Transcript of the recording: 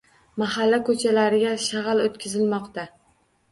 Mahalla ko‘chalariga shag‘al yotqizilmoqda